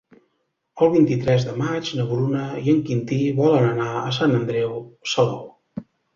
El vint-i-tres de maig na Bruna i en Quintí volen anar a Sant Andreu Salou.